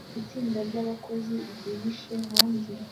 Itsinda ry'abakozi ryihishe hanze